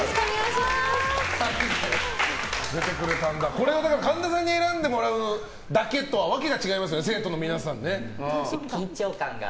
これは神田さんに選んでもらうだけとは訳が違いますよね、生徒の皆さん。